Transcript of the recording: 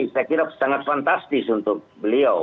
saya kira sangat fantastis untuk beliau